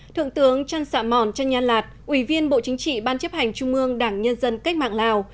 thượng tướng trăng sạ mòn trăng nhan lạt ủy viên bộ chính trị ban chấp hành trung ương đảng nhân dân cách mạng lào